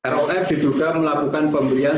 rof diduga melakukan pemberian